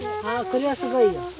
あこれはすごいよ。